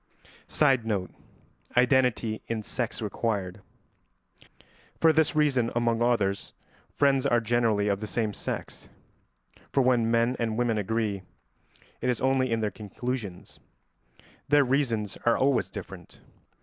[Sidenote: Identity in sex required.] For this reason, among others, friends are generally of the same sex, for when men and women agree, it is only in their conclusions; their reasons are always different.